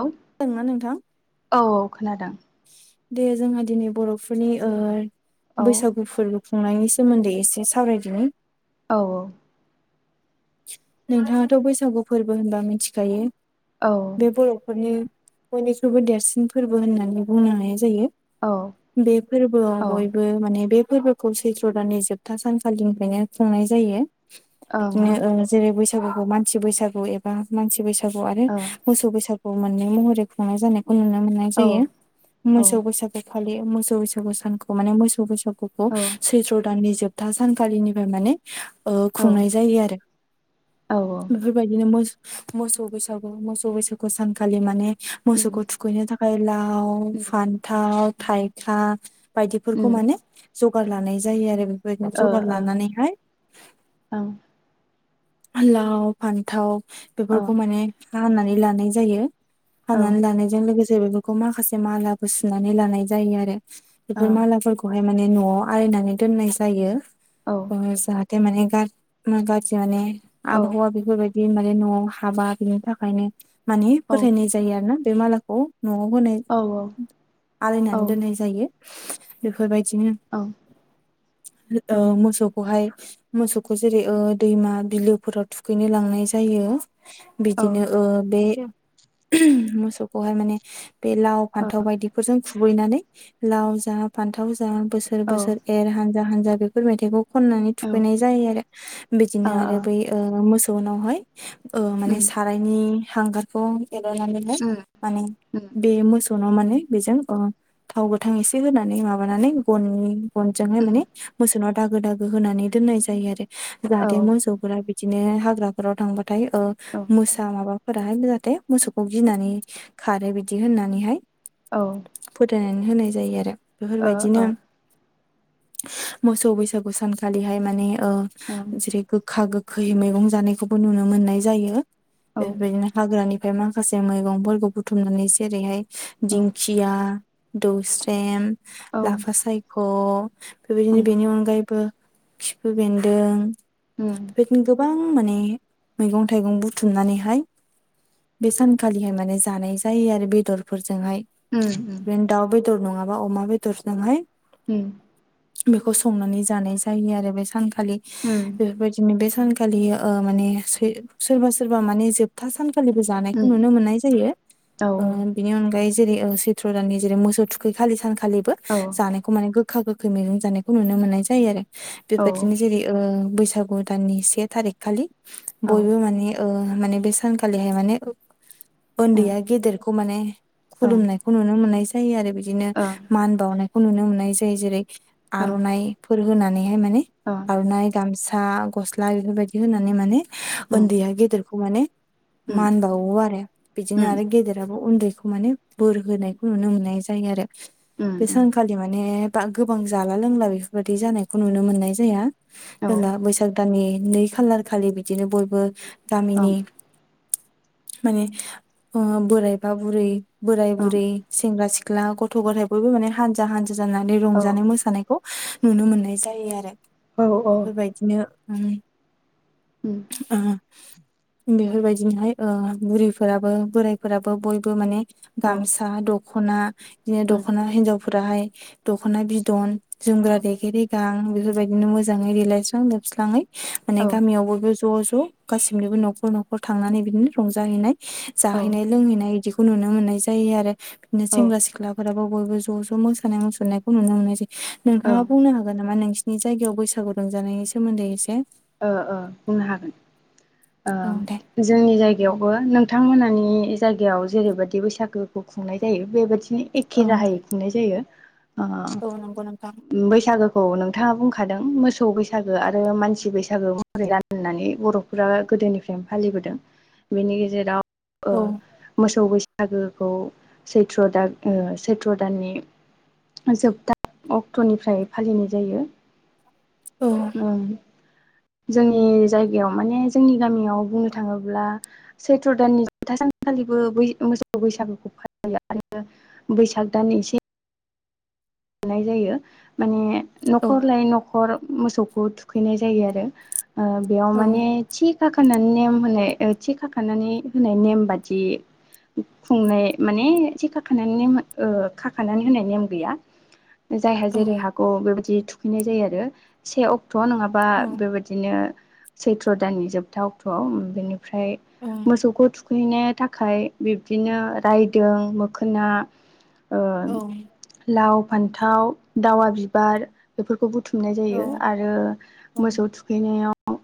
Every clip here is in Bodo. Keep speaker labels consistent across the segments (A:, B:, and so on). A: औ
B: खोनादोंना नोंथां
A: औ खोनादों।
B: दे जोंहा दिनै बर'फोरनि
A: औ
B: बैसागु फोर खुंनायनि सोमोन्दै एसे सावरायदिनि।
A: औ औ।
B: नोंथाङाथ' बैसागु फोरबो होनबा मिथिखायो
A: औ
B: बे बर'फोरनि बयनिख्रुइबो देरसिन फोरबो होननानै बुंनो हानाय जायो।
A: औ
B: बे फोरबोआ
A: औ
B: बयबो माने बे फोरबोखौ सैत्र' दाननि जोबथा सानखालिनिफ्रायनो खुंनाय जायो। जेरै बैसा बसागु मानसि बैसागु एबा मानसि बैसागु आरो मोसौ बैसागु मोननै महरै खुंनाय जानाय नुनो मोननाय जायो
A: औ
B: मोसौ बैसागुखालि मोसौ बैसागु सानखौ माने मोसौ बैसागु सैथ्र' दाननि जोबथा सानखालिनिफ्राय माने खुंनाय जायो आरो। बेफोरबायदिनो मो मोसौ बैसागु मोसौ बैसागु सानखालि माने मोसौखौ थुखैनो थाखाय लाव फान्थाव थाइखा बायदिफोरखौ माने जगार लानाय जायो आरो। बेबायदिनो जगार लानानैहाय लाव फान्थाव बेफोरखौ माने हानानै लानाय जायो हानानै लानायजों लोगोसे जों बेफोरखौ माखासे मालाखौ सुनानै लानाय जायो आरो बेफोर
A: ओं
B: मालाफोरखौहाय माने न'आव आलायना नानै दोननाय जायो
A: ओं औ
B: जाहाथे माने गा गाज्रि माने
A: औ
B: आबहावा
A: औ
B: बेफोरबायदि बे माने न'आव हाबा बिनि थाखायनो माने
A: औ
B: फोथायनाय जायो आरो ना बे मालाखौ न'आव होनाय आलायनानै दोननाय जायो बेफोरबायदि बिदिनो मोसौखौहाय मोसौखौ जेरै ओ दैमा बिलोफोराव थुखैनो लांनाय जायो बिदिनो ओ बे मोसौखौहाय माने बे लाव, फान्थाव बायदिफोरजों खुबैनानै लाव जा, फान्थाव जा बोसोर - बोसोर एर हानजा - हानजा बेफोर मेथाइखौ खननानै थुखैनाय जायो आरो बिदिनो आरो बै मोसौनावहाय माने
A: उम
B: सारायनि हांगारखौ एगारनानैहाय माने बे मसौ गनाव माने बेजों थाव गोथां एसे होनानै माबानानै गननि गनजोंहाय
A: उम
B: माने मोसौाव दागो - दागो होनानै दोननाय जायो आरो
A: ओ
B: जाहाथे मोसौ बिदिनो हाग्राफोराव थांबाथाय ओ मोसा माबा फोराहाय जाहाथे मोसौखौ गिनानै खारो बिदि होननानैहाय
A: ओं ओ
B: फोथायनानै होनाय जायो आरो
A: ओं
B: बेफोरबायदिनो मोसौ बैसागु सानखालिहाय माने ओ जेरै गोखा - गोखै मैगं जानायखौबो नुनो मोननाय जायो बेफोरबायदिनो हाग्रानि ओमफ्राय माखासे मैगंफोरखौ बुथुमनानै जेरैहाय दिंखिया दौस्रेम,
A: ओ औ ओं औ ओ
B: लाफा सायख' बेबायदिनो
A: उम
B: बेनि अनगायैबो खिफु बेन्दों
A: उम
B: बेबायदिनो गोबां माने मैगं - थाइगं बुथुमनानैहाय बे सानखालिहाय माने जानाय जायो आरो बेदरफोरजों जोंहाय
A: उम औ ओ ओं औ उम
B: बिनो दाउ बेदर नङाबा अमा बेदरजोंहाय
A: उम
B: बेखौ संनानै जानाय जायो आरो बे सानखालि
A: उम
B: बिदिनो बे सानखालि ओ माने सोरबा - सोरबा माने जोबथा सानखा खालिबो जानायखौ
A: उम
B: नुनो मोननाय जायो
A: औ
B: बिनि अनगायै जेरै सैत्र दाननि जेरै मोसौ थुखै खालि सानखालिबो
A: औ
B: जानायखौ माने गोग गोखा -गोखै मैगं जानायखौ नुनो मोननाय जायो आरो
A: औ
B: बेबायदिनो जेरै ओ बैसागु दाननि से थारिख खालि
A: औ
B: बयबो माने माने बे सानखालिहाय माने
A: उम
B: उन्दैया गेदेरखौ माने
A: ओं
B: खुलुमनायखौ नुनो मोननाय जायो आरो बिदिनो
A: ओं
B: मान बावनायखौ खौ नुनो मोननाय जायो जेरै
A: ओं
B: आर'नाइफोर होनानैहाय माने आर'नाइ गामसा, गस्ला बेफोरबायदि होनानै माने
A: उम
B: उन्दैया गेदेरखौ माने मान बावो आरो बिदिनो
A: उम
B: आरो गेदेराबो उन्दैखौ माने बोर होनायखौ नुनो मोननाय जायो जायो आरो
A: उम
B: बे
A: उम
B: सानखालि माने बा गोबां जाला लोंला बेफोरबायाददि जानायखौ नुनो मोननाय जाया
A: औ
B: जेब्ला बैसाग दाननि नै खालार खालि बिदिनो बयबो गामिनि
A: ओं
B: माने ओ बोरायबा बुरै बोराय
A: ओं
B: -बुरै, सेंग्रा - सिख्ला सिख्ला गथ'- गथाय बयबो माने हानजा- हानजा जानानै
A: औ
B: रंजानाय -मोसानायखौ नुनो मोननाय जायो आरो
A: औ उम औ उम औ
B: बेफोरबायदिनो बेफोरबायदिनोहाय ओ बुरैफोराबो बोरायफोराबो बयबो माने गामसा दख'ना बिदिनो दख'ना हिनजावफोराहाय दख'ना बिदन जोमग्रा रेगे रेगां बेफोरबायदिनो मोजाङै देलायस्रां लोबस्राङै माने गामियावबो बे ज' -ज' गासिनिबो न'खर -न'खर थांनानै बिदिनो रंजाहैनाय
A: औ
B: जाहैनाय - लोंहैनाय इदिखौ नुनो मोननाय जायो आरो बिदिनो सेंग्रा -सिख्लाफोराबो बयबो ज' ज' मोसानाय मुसुरनायखौ नुनो मोननाय जायो
A: औ ओ
B: नोंथाङा बुंनो हागोन नामा नोंसिनि जायगायाव बैसा- बैसागु रंजानायनि सोमोन्दै एसे
A: ओ ओबुंनो हागोन
B: औ दे
A: ओ जोंनि जाय- गायावबो नोंथां मोनानि जायगायाव जेरैबायदि बैसागो खुंनाय जायो बेबायदिनो एखे
B: औ
A: राहायै खुंनाय जायो अ
B: औ नंगौ नोंथां
A: बैसागोखौ नों- थाङा बुंखादों मोसौ बैसागो आरो मानसि बैसा- गो महरै रानो होननानै बर'फोरा गोदोनिफ्रायनो फालिबोदों बेनि गेजेराव अ
B: औ
A: मोसौ बैसा- गोखौ सैथ्र दान ओ सैथ्र दाननि जोबथा अक्ट'निफ्राय फालिनाय जायो
B: औ
A: ओं जोंनि जायगायाव माने जोंनि गामियाव बुंनो थाङोब्ला सैथ्र' दाननि जोबथा सानखालिबो बै मोसौ बैसागुखौ फालियो आरो बैसाग दाननि इसे मोननाय जायो माने
B: औ
A: न'खर लायै न'खर मोसौखौ थुखैनाय जायो आरो ओ बेयाव
B: औ
A: माने थिग खाखानानै नेम होनाय थि खाखानानै होनाय नेम बादि खुंनाय माने जि खाखानानै नेम खाखानानै होनाय नेम गैया जायहा
B: औ
A: जेरै हागौ बेबायदि थुखैनाय जायो आरो से अक- क्ट' नङाबा बेबायदिनो सैथ्र' दाननि जोबथा अक्ट'आव बेनि- फ्राय
B: औ
A: मोसौखौ थु- खैनो थाखाय बिब्दिनो रायदों मोखोना ओ
B: औ
A: लाव फान्थाव दावा बिबार बेफोर- खौ बुथुमनाय
B: औ
A: जायो आरो
B: औ
A: मोसौ थुखैनायाव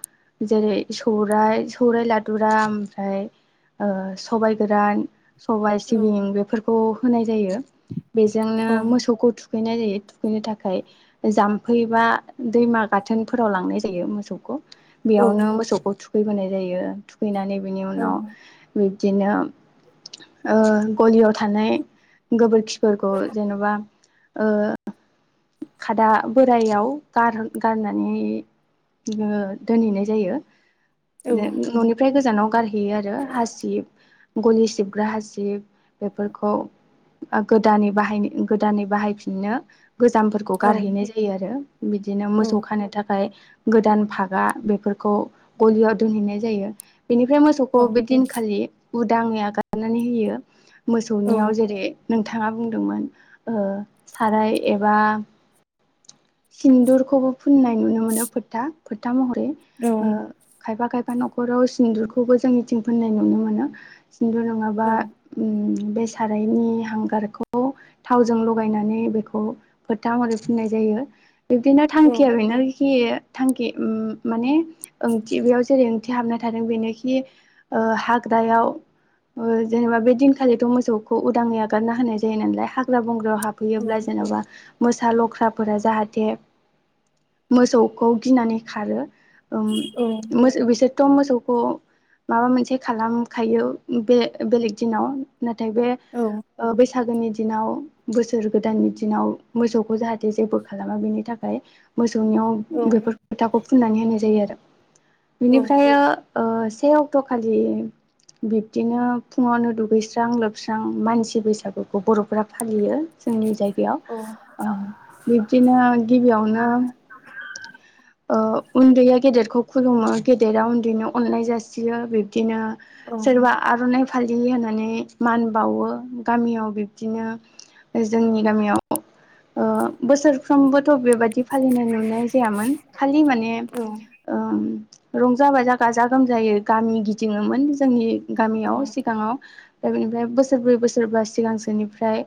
A: जेरै सौराय सौराय लादुरा ओमफ्राय ओ सबाय गोरान सबाय
B: औ
A: सिबिं बेफोरखौ होनाय जायो
B: औ
A: बेजोंनो खौ थुखैनाय जायो थुखैनो थाखाय जाम्फै बा दैमा गाथोनफोराव लांनाय जायो मोसौखौ बेयावनो मोसौखौ थुखैबोनाय जायो थुखैनानै बेनि उनाव बिदिनो ओ गलियाव थानाय गोबोरखिफोरखौ जेन'बा ओ खादा बोराइायाव गार- गारनानै बिदिनो दोनहैनाय जायो न'निफ्राय गोजानाव गारहैयो आरो हासिब गलि सिबग्रा हासिब बेफोरखौ गोदानै बाहायनो गोदानै बाहायफिननो गोजामफोरखौ गारहैनाय जायो आरो बिदिनो मोसौ खानो थाखाय गोदान फागा बेफोरखौ गलियाव दोनहैनाय जायो बेनिफ्राय
B: औ
A: मोसौखौ बे दिनखालि उदाङै आगारनानै होयो
B: औ
A: मोसौनियाव जेरै नोंथाङा बुंदोंमोन ओ साराय एबा सिन्दुरखौबो फुननाय नुनो मोनो फोथा फोथा मह- रै ओ खायफा खायफा न'खराव सिन्दुरखौबो जोंनिथिं फोननाय नुनो मोनो खिन्थु नङाबा बे सारायनि हांगारखौ थावजों लगायनानै बेखौ फोथा महरै फुननाय जायो बिब्दिनो थांखिया बेनो खि थांखि माने ओंथि बेयाव जेरै ओंथि हाबना थादों बेनोखि ओ हाग्रायाव जेनेबा बे दिनखालिथ' मोसौखौ उदाङै आगारना होनाय जायो नालाय हाख हाग्रा बंग्रायाव हाबफैयोब्ला जेन'बा मोसा लख्राफोरा जाहाथे मोसौखौ गिनानै खारो। ओ मोसौ बिसोर थम मोसौखौ माबा मोनसे खालामखायो बे बेलेग दिनाव नाथाय बे बैसागोनि दिनाव बोसोर गोदाननि दिनाव मोसौखौ जाहाथे जेबो खालामा बेनि थाखाय मोसौ सुनायाव बेफोर फोथाखौ फुननानै होनाय जायो आरो। बिनिफ्रायो ओ से अक्ट' खालि बिब्दिनो फुङावनो दुगैस्रां लोबस्रां मानसि बैसागुखौ बर'फ्रा फालियो जोंनि जायगायाव बिब्दिनो गिबियावनो
B: [inaudible]
A: ओ उन्दैया गेदेरखौ खुलुमो गेदेरा उन्दैनो अननाय जासियो बिब्दिनो सोरबा आर'नाइ फालि होननानै मान बावो गामियाव बिब्दिनो जोंनि गामियाव बोसोरफ्रोमबो थ' बेबायदि फालिनाय नुनाय जायामोन खालि माने रंजाबा बाजा गाजा गोमजायै गामि गिदिङोमोन जोंनि गामियाव सिगाङाव ओमफ्राय बेनिफ्राय बोसोरब्रै बोसोरबा सिगांसोनिफ्राय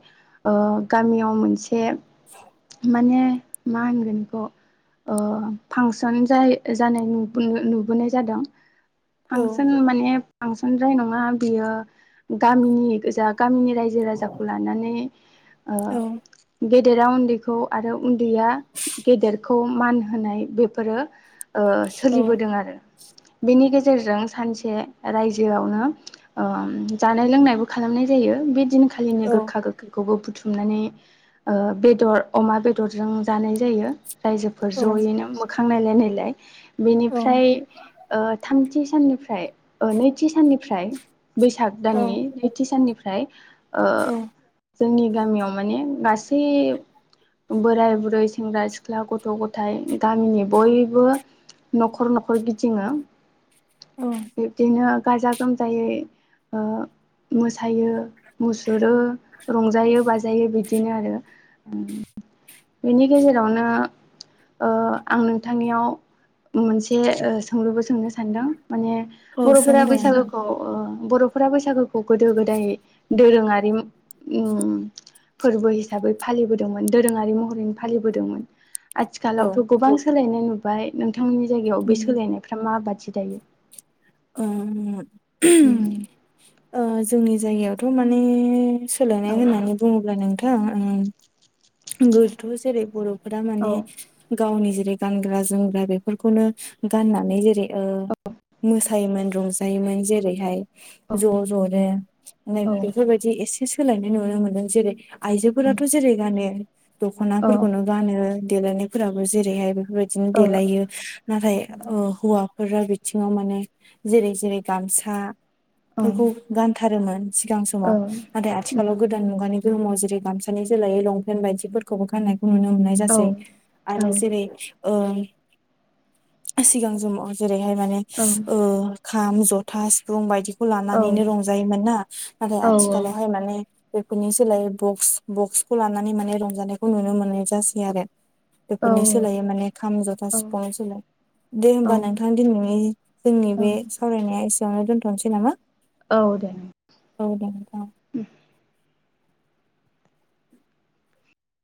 A: गामियाव मोनसे माने मा होनगोन बेखौ ओ फांसन जाय जानाय नुबोनाय जादों। फांसन माने फांसनद्राय नङा बियो गामिनि गोजा गामिनि रायजो राजाखौ लानानै ओ गेदेरा उन्दैखौ आरो उन्दैया गेदेरखौ मान होनाय बे फोरो सोलिबोदों आरो। बेनि गेजेरजों सानसे रायजोआवनो जानाय लोंनायबो खालामनो जायो बे दिनखालिनो गोखा गोखै बो बुथुमनानै बेदर अमा बेदरजों जानाय जायो। रायजोफोर जयैनो मोखां नायलाय नायलाय बेनिफ्राय थामथि साननिफ्राय ओ नैथि साननिफ्राय बैसाग दाननि नैथि साननिफ्राय ओ जोंनि गामियाव माने गासै बोराइ बुरै सेंग्रा सिख्ला गथ' गथाय गामिनि बयबो न'खर न'खर गिदिङो
B: औ
A: बिब्दिनो गाजा गोमजायै मोसायो मुसुरो रंजायो बाजायो बिदिनो आरो बेनि गेजेरावनो ओ आं नोंथांनियाव मोनसे सोंलुबो सोंनो सानदों। माने
B: औ
A: बर'फोरा
B: सोंदो नोंथां
A: बैसागोखौ बर'फोरा बैसागोखौ गोदो गोदाय दोरोङारि उम फोरबो हिसाबै फालिबोदोंमोन दोरोङारि महरै फालिबोदोंमोन। आथिखालावथ' गोबां सोलायनाय नुबाय नोंथांमोननि जायगायाव बे सोलायनायफ्रा मा बादि? मिथियो दायो?
B: ओ
A: उम
B: जोंनि जायगायावथ' माने सोलायनाय होननानै बुङोब्ला नोंथां आं गोथौ जेरै बर' बे फोर
A: औ
B: माने गावनि जेरै गानग्रा जोमग्रा बेफोरखौनो गाननानै जेरै ओ मोसायोमोन रंजायोमोन जेरैहाय
A: औ
B: ज' जनो
A: औ
B: बेफोरबायदि एसे सोलायनाय नुनो मोनदों जेरै
A: औ
B: आयजोफोराथ' जेरै गानो दख'नाफोरखौनो गानो देलायनायफोराबो जेरैहाय फोरबायदिनो
A: औ औ
B: देलायो नाथाय हौवाफोरा बिथिङाव मा जेरै जेरै
A: औ
B: गामसाफोरखौ गानथारोमोन सिगां समाव नाथाय आथिखालाव गोदान मुगानि बुहुमाव जेरै गामसानि जोलायै लंपेन्ट बायदिफोरखौबो गाननाय नुनो मोननाय जासै आरो जेरै ओ ओ सिगां समाव जेरैहाय माने ओ खाम, जथा, सिफुं बायदिखौ लानानैनो रंजायोमोन ना नाथाय
A: औ
B: आथिखालावहाय माने बेफोरनि सोलायै बक्स बक्सखौ लानानै माने रंजानायखौ नुनो मोननाय जासै आरो बेफोरनि सोलायै माने खाम, जथा सिफुंनि सोलाय दे होमबा नोंथां दिनैनि जोंनि बे सावरायनाया एसेयावनो दोन्थ'नोसै नामा?
A: औ दे
B: औ दे नोंथां
A: उम